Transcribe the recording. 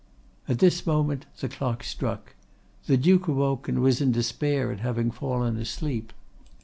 "At this moment the clock struck. The Duke awoke, and was in despair at having fallen asleep.